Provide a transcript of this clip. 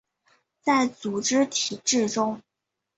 在组织体制中